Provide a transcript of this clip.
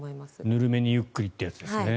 ぬるめにゆっくりというやつですね。